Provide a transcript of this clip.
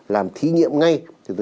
làm thí nghiệm ngay